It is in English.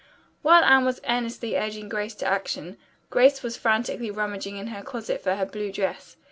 While Anne was earnestly urging Grace to action, Grace was frantically rummaging in her closet for her blue dress.